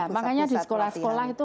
makanya di sekolah sekolah itu